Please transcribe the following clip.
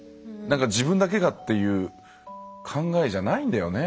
自分だけがっていう考えじゃないんだよね。